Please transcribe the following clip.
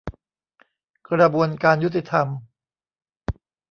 กระบวนการยุติธรรม